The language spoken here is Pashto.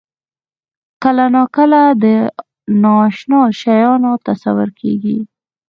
کله ناکله د نااشنا شیانو تصور کېږي.